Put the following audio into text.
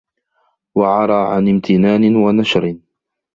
وَعَرَى عَنْ امْتِنَانٍ وَنَشْرٍ